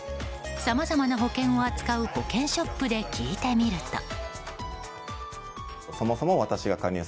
さまざまな保険を扱う保険ショップで聞いてみると。